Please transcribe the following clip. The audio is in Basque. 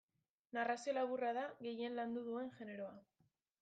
Narrazio laburra da gehien landu duen generoa.